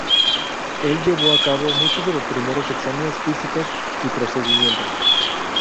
Él llevó a cabo muchos de los primeros exámenes físicos y procedimientos.